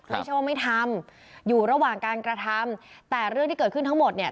ไม่ใช่ว่าไม่ทำอยู่ระหว่างการกระทำแต่เรื่องที่เกิดขึ้นทั้งหมดเนี่ย